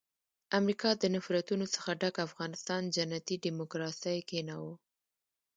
امریکا د نفرتونو څخه ډک افغانستان جنتي ډیموکراسي کښېناوه.